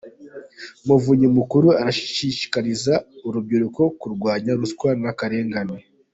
Umuvunyi Mukuru arashishikariza urubyiruko kurwanya ruswa n’akarengane